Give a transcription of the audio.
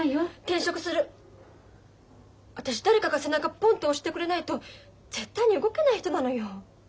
私誰かが背中ポンって押してくれないと絶対に動けない人なのよ。